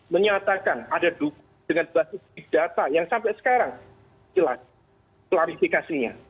menyatakan ada dukungan dengan basis big data yang sampai sekarang jelas klarifikasinya